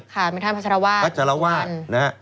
ค่ะมีท่านพระศรวาส